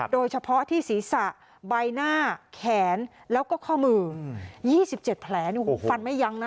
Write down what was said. โดยเฉพาะที่ศีรษะใบหน้าแขนแล้วก็ข้อมือ๒๗แผลฟันไม่ยั้งนะ